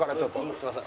すいません。